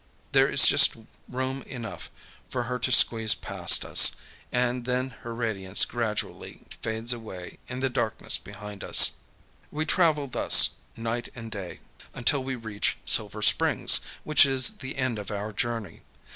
There is just room enough for her to squeeze past[Pg 123] us, and then her radiance gradually fades away in the darkness behind us. FORT MARION—VIEW FROM WATER BATTERY. We travel thus, night and day, until we reach Silver Springs, which is the end of our journey.